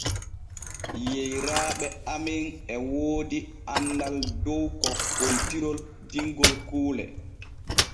Yeyraaɓe amen e woodi annal dow kokkontirol dingol kuule.